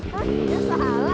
hah ya salah